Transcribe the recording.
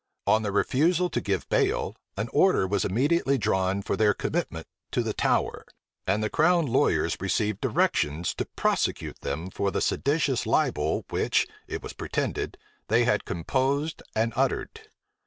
On their refusal to give bail, an order was immediately drawn for their commitment to the Tower; and the crown lawyers received directions to prosecute them for the seditious libel which, it was pretended, they had composed and uttered.